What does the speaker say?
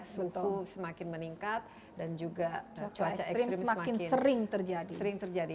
suku semakin meningkat dan juga cuaca ekstrim semakin sering terjadi